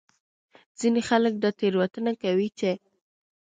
ځینې خلک دا تېروتنه کوي چې